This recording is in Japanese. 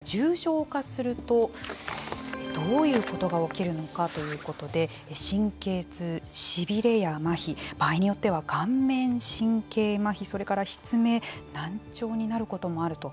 こちら重症化するとどういうことが起きるのかということで神経痛、しびれやマヒ場合によっては顔面神経まひそれから失明難聴になることもあると。